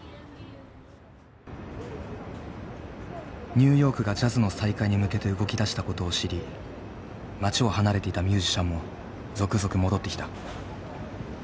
ニューヨークがジャズの再開に向けて動き出したことを知り街を離れていたミュージシャンも続々戻ってきた。